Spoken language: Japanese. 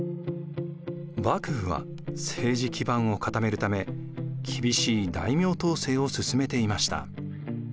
幕府は政治基盤を固めるため厳しい大名統制を進めていました。